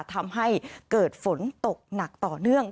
ทำให้เกิดฝนตกหนักต่อเนื่อง